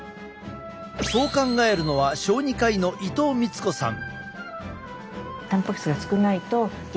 そう考えるのは小児科医の伊藤明子さん。